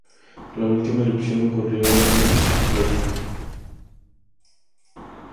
La última erupción ocurrió en el Pleistoceno.